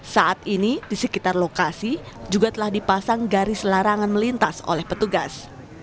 saat ini di sekitar lokasi juga telah dipasang garis larangan melintas oleh petugas